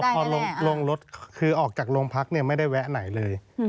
พอลงรถคือออกจากโรงพักไม่ได้แวะไหนเลย